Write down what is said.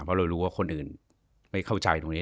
เพราะเรารู้ว่าคนอื่นไม่เข้าใจตรงนี้